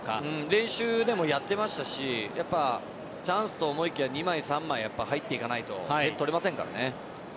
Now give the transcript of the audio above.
練習でもやっていましたしチャンスと思いきや２枚、３枚入っていかないと点、取れませんからね。